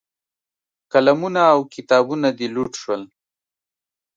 قلمونه او کتابونه دې لوټ شول.